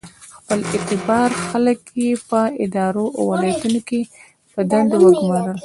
خپل اعتباري خلک یې په ادارو او ولایتونو کې په دندو وګومارل.